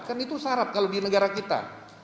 kan itu syarat kalau di negara kita